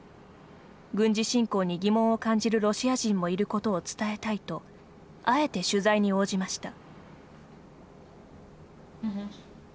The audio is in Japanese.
軍事侵攻に疑問を感じるロシア人もいることを伝えたいとあえて取材に応じました。